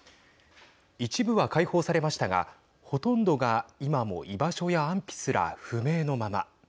一部は解放されましたがほとんどが今も居場所や安否すら不明のまま。